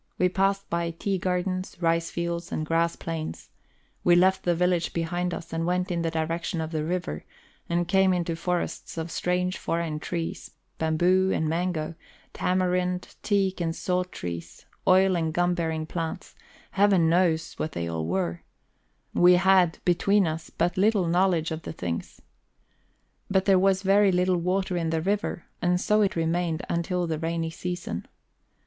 We passed by tea gardens, rice fields, and grass plains; we left the village behind us and went in the direction of the river, and came into forests of strange foreign trees, bamboo and mango, tamarind, teak and salt trees, oil and gum bearing plants Heaven knows what they all were; we had, between us, but little knowledge of the things. But there was very little water in the river, and so it remained until the rainy season.